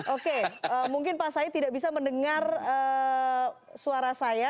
oke mungkin pak said tidak bisa mendengar suara saya